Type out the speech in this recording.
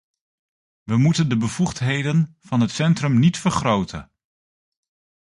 We moeten de bevoegdheden van het centrum niet vergroten.